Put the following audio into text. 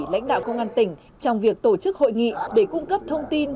lãnh đạo công an tỉnh trong việc tổ chức hội nghị để cung cấp thông tin